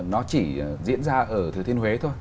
nó chỉ diễn ra ở thứ thiên huế thôi